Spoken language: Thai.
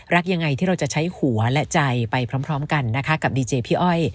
รักยังไงที่เราจะใช้หัวและใจไปพร้อมกันนะคะกับดีเจพี่อ้อย